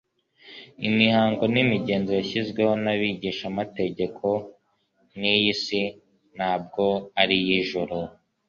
Imihango n'imigenzo yashyizweho n'abigishamategeko ni iy'isi ntabwo ari iy'ijuru.